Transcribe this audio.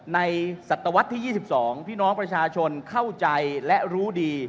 ศัตวรรษที่๒๒พี่น้องประชาชนเข้าใจและรู้ดี